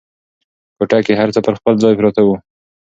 کوټه کې هر څه پر خپل ځای پراته وو.